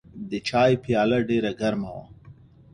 د چای پیاله ډېره ګرمه وه.